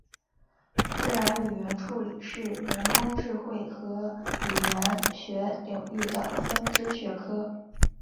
自然语言处理是人工智慧和语言学领域的分支学科。